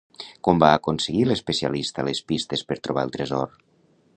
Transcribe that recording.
Com va aconseguir l'especialista les pistes per trobar el tresor?